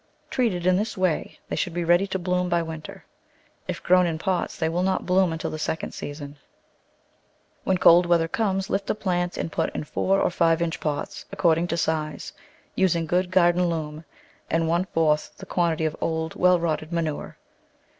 Treated in this way they should be ready to bloom by winter; if grown in pots they will not bloom until the second season. When cold Digitized by Google Eight] £ottjse*plattta 75 weather comes lift the plants and put in four or five inch pots, according to size, using good garden loam and one fourth the quantity of old, well rotted ma nure.